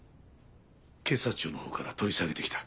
警察庁のほうから取り下げてきた。